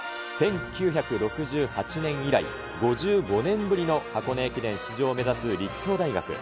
１９６８年以来、５５年ぶりの箱根駅伝出場を目指す立教大学。